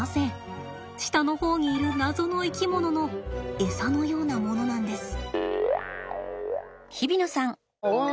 下の方にいる謎の生き物のエサのようなものなんです。